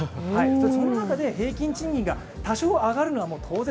その中で平均賃金が多少上がるのは当然。